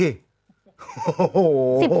โอ้โห